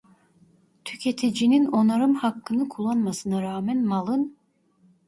Tüketicinin onarım hakkını kullanmasına rağmen malın: